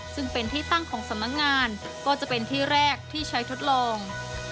ซึ่งเป็นที่ตั้งของสำนักงานก็จะเป็นที่แรกที่ใช้ทดลอง